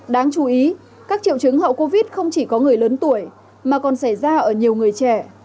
đáng chú ý các triệu chứng hậu covid không chỉ có người lớn tuổi mà còn xảy ra ở nhiều người trẻ